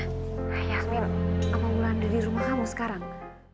hai yasmin apa ulan udah di rumah kamu sekarang